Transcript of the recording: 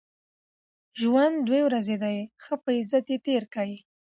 ژوند دوې ورځي دئ، ښه په عزت ئې تېر کئ!